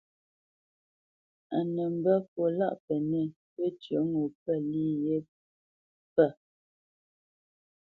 A nə́ mbə́ fwo lâʼ Pənɛ̂ wə́cyə ŋo pə̂ lî yé pə̂.